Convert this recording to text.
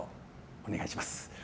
お願いします。